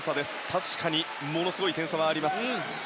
確かにものすごい点差はあります。